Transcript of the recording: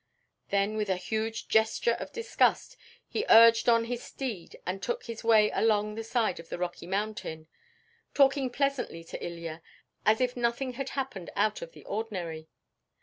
Then with a huge gesture of disgust he urged on his steed and took his way along the side of a rocky mountain, talking pleasantly to Ilya as if nothing had happened out of the ordinary.